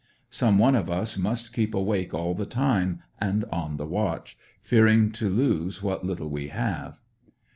Some one of us must keep awake all the time, and on the watch, fearing to loose what little we have.